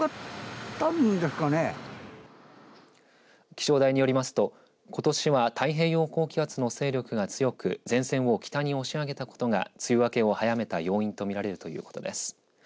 気象台によりますと、ことしは太平洋高気圧の勢力が強く前線を北に押し上げたことが梅雨明けを早めた要因と見られるということです。